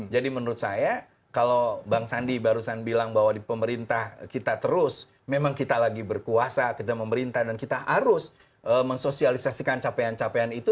jadi menurut saya kalau bang sandi barusan bilang bahwa di pemerintah kita terus memang kita lagi berkuasa kita pemerintah dan kita harus mensosialisasikan capaian capaian itu